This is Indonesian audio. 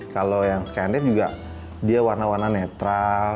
kalau yang skanded juga dia warna warna netral